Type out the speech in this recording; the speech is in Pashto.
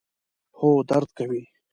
هو، درد کوي